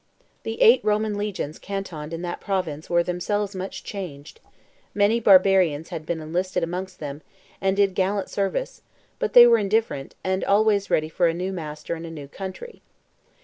The eight Roman legions cantoned in that province were themselves much changed; many barbarians had been enlisted amongst them, and did gallant service; but they were indifferent, and always ready for a new master and a new country.